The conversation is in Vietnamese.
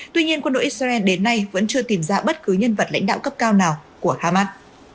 tuy nhiên quân đội israel đến nay vẫn chưa tìm ra bất cứ nhân vật lãnh đạo cấp cao nào của hamas